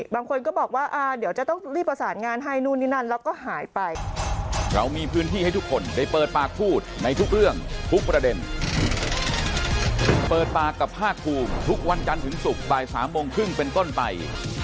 บางคนก็บอกว่าเดี๋ยวจะต้องรีบประสานงานให้นู่นนี่นั่นแล้วก็หายไป